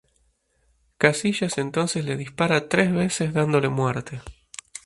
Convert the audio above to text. Casillas entonces le dispara tres veces dándole muerte.